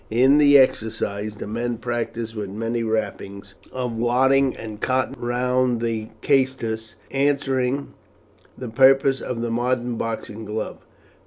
In the exercises the men practised with many wrappings of wadding and cotton wound round the caestus, answering the purpose of the modern boxing glove.